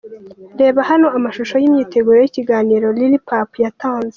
Reba hano amashusho y’imyiteguro y’ikiganiro Lilp yatanze :.